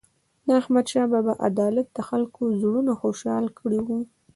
د احمدشاه بابا عدالت د خلکو زړونه خوشحال کړي وو.